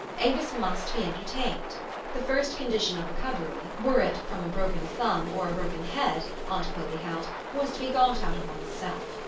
Avis must be entertained. The first condition of recovery, were it from a broken thumb or a broken head, aunt Chloe held, was to be got out of one's self.